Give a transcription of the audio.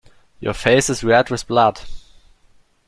Your face is red with blood.